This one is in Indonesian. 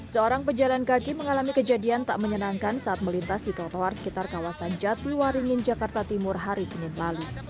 seorang pejalan kaki mengalami kejadian tak menyenangkan saat melintas di trotoar sekitar kawasan jatiwaringin jakarta timur hari senin lalu